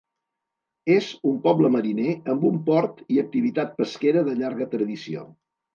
És un poble mariner amb un port i activitat pesquera de llarga tradició.